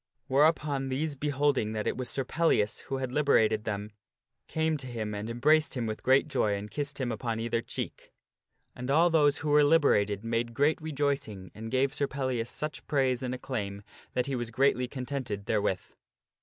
Whereupon these beholding that it was Sir Pellias who had liberated them, came to him and embraced him with great joy and kissed him upon either cheek. And all those who were liberated made great rejoicing and gave Sir Pellias such praise and acclaim that he was greatly contented therewith.